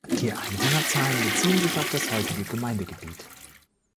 Die Einwohnerzahlen beziehen sich auf das heutige Gemeindegebiet.